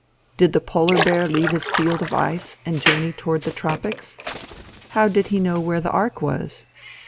Did the polar bear leave his field of ice and journey toward the tropics? How did he know where the ark was?